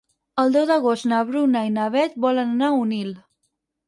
El deu d'agost na Bruna i na Beth volen anar a Onil.